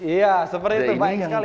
iya seperti itu baik sekali